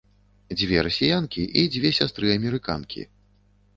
Дзве расіянкі і дзве сястры-амерыканкі.